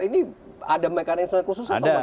ini ada mekanisme khusus atau bagaimana